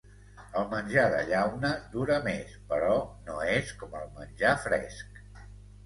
El menjar de llauna dura més, però no és com el menjar fresc.